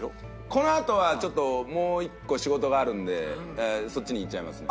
このあとはちょっともう１個仕事があるんでそっちに行っちゃいますね。